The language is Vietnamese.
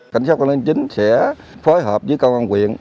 cảnh sát công an chính sẽ phối hợp với công an quyền